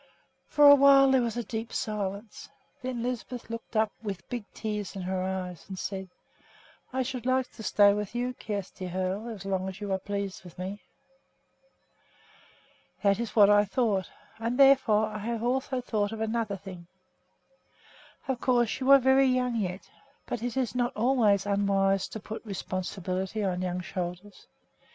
For a while there was a deep silence. Then Lisbeth looked up with big tears in her eyes and said, "I should like to stay with you, Kjersti Hoel, as long as you are pleased with me." "That is what I thought, and therefore I have also thought of another thing. Of course you are very young yet, but it is not always unwise to put responsibility on young shoulders.